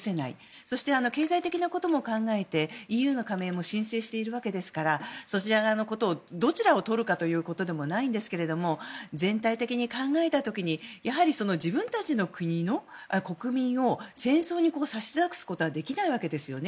そして、経済的なことも考えてＥＵの加盟も申請しているわけですからそちら側のことをどちらを取るかということでもないんですけども全体的に考えた時に自分たちの国の国民を戦争に差し出すことはできないわけですよね。